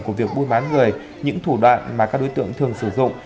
của việc buôn bán người những thủ đoạn mà các đối tượng thường sử dụng